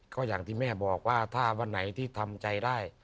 ก็อย่างที่แม่บอกว่าถ้าวันไหนที่ทำใจได้